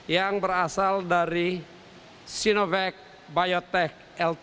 yang berasal dari sinovac biotech lp